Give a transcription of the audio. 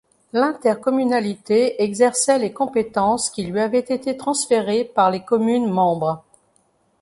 L'intercommunalité exerçait les compétences qui lui avaient été transférées par les communes membres.